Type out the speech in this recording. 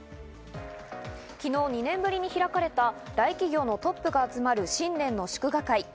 昨日、２年ぶりに開かれた大企業のトップが集まる新年の祝賀会。